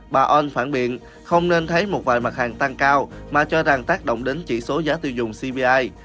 bà ơn phản biện không nên thấy một vài mặt hàng tăng cao mà cho rằng tác động đến chỉ số giá tiêu dùng cbi